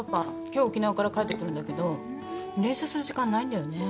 今日沖縄から帰ってくるんだけど練習する時間ないんだよね。